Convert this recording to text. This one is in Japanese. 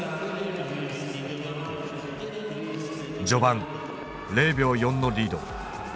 序盤０秒４のリード。